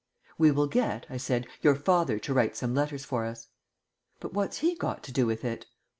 "We will get," I said, "your father to write some letters for us." "But what's he got to do with it?"